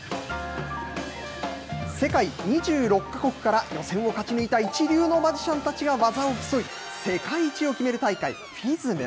世界２６か国から予選を勝ち抜いた一流のマジシャンたちが技を競い、世界一を決める大会、ＦＩＳＭ。